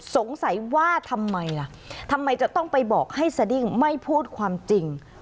สงสัยว่าทำไมล่ะทำไมจะต้องไปบอกให้สดิ้งไม่พูดความจริง